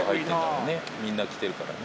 みんな着てるからね。